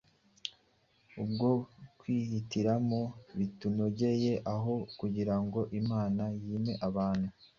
bwo kwihitiramo ibitunogeye. Aho kugira ngo Imana yime abantu